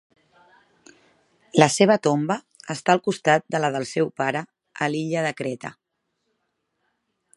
La seva tomba està al costat de la del seu pare a l'illa de Creta.